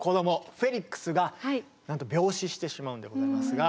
フェリックスがなんと病死してしまうんでございますが。